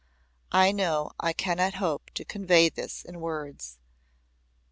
I know I cannot hope to convey this in words.